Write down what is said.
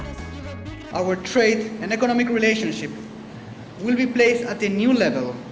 perhubungan ekonomi dan perhubungan ekonomi kita akan diberi di level baru